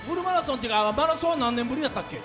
マラソンは何年ぶりだったっけ？